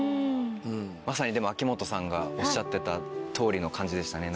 まさに秋元さんがおっしゃってた通りの感じでしたね。